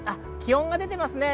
気温が出ています。